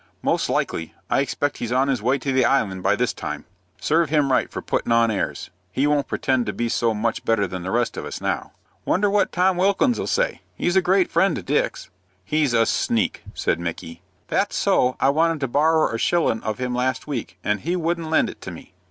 "Most likely. I expect he's on his way to the Island by this time." "Serve him right for puttin' on airs. He won't pretend to be so much better than the rest of us now." "Wonder what Tom Wilkins'll say? He's a great friend of Dick's." "He's a sneak," said Micky. "That's so. I wanted to borrer a shillin' of him last week, and he wouldn't lend it to me."